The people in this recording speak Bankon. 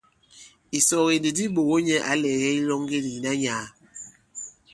Ìsɔge ndi di ɓòŋo nyɛ̄ ǎ lɛ̀gɛ ilɔŋge ìna nyàà.